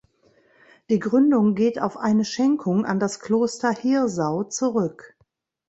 Die Gründung geht auf eine Schenkung an das Kloster Hirsau zurück.